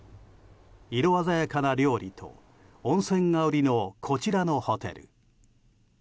色鮮やかな料理と温泉が売りの、こちらのホテル。